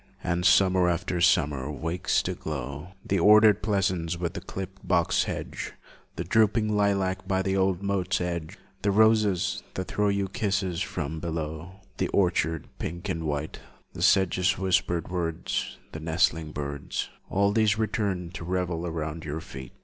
And summer after summer wakes to glow The ordered pleasance with the clipped box hedge, The drooping lilac by the old moat's edge, The roses, that throw you kisses from below, The orchard pink and white, The sedge's whispered words, The nesting birds, All these return to revel round your feet.